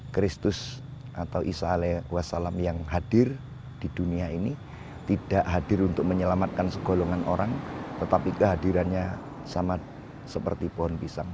kristus atau isale wasalam yang hadir di dunia ini tidak hadir untuk menyelamatkan segolongan orang tetapi kehadirannya sama seperti pohon pisang